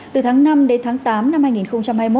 từ tháng năm đến tháng tám năm hai nghìn hai mươi một